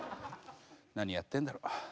何やってんだろ。